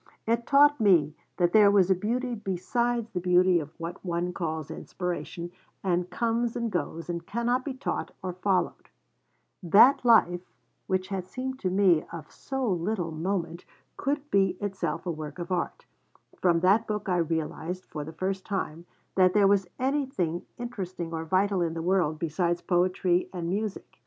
It taught me that there was a beauty besides the beauty of what one calls inspiration, and comes and goes, and cannot be caught or followed; that life (which had seemed to me of so little moment) could be itself a work of art; from that book I realised for the first time that there was anything interesting or vital in the world besides poetry and music.